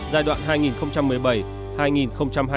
giai đoạn hai nghìn một mươi bảy hai nghìn hai mươi